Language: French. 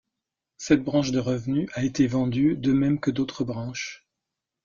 Cette branche de revenu a été vendue, de même que d'autres branches.